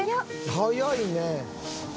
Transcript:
早いね。